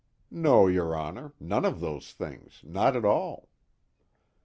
"No, your Honor, none of those things, not at all."